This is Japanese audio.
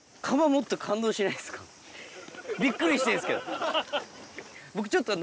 びっくりしてるんすけど。